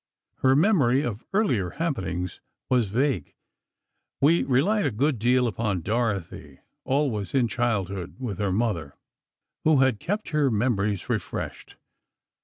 Her memory of earlier happenings was vague. We relied a good deal upon Dorothy, always in childhood with her mother, who had kept her memories refreshed.